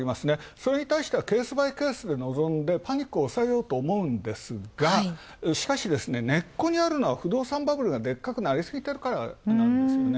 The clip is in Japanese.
それはケースバイケースでパニックを抑えようとしているがしかし根っこにあるのは、不動産バブルが、でっかくなりすぎてるからなんですよ。